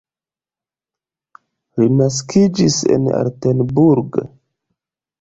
Li naskiĝis en Altenburg.